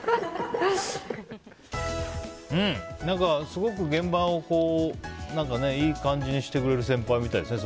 すごく現場を何かいい感じにしてくれる先輩みたいですね